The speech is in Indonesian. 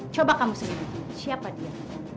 coba kamu sendiri siapa dia